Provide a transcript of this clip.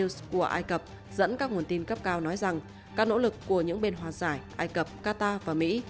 của ai cập dẫn các nguồn tin cấp cao nói rằng các nỗ lực của những bên hòa giải ai cập qatar và mỹ